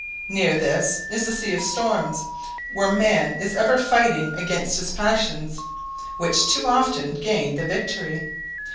Near this is the "Sea of Storms," where man is ever fighting against his passions, which too often gain the victory.